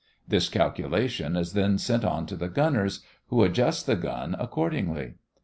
This calculation is then sent on to the gunners, who adjust the gun accordingly.